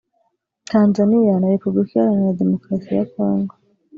Tanzaniya na Republika iharanira demokarasi ya Congo